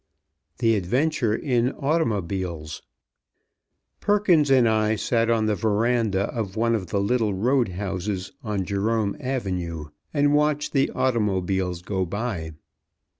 THE ADVENTURE IN AUTOMOBILES PERKINS and I sat on the veranda of one of the little road houses on Jerome Avenue, and watched the auto mobiles go by.